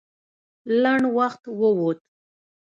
لنډ وخت ووت.